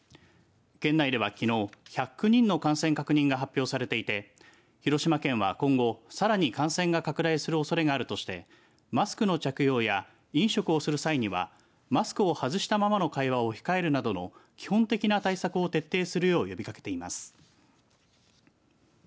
県内ではきのう１０９人の感染が発表されていて広島県は今後さらに感染が拡大するおそれがあるとしてマスクの着用や飲食をする際にはマスクを外したままの会話を控えるなどの基本的な対策を徹底するよう呼びかけています。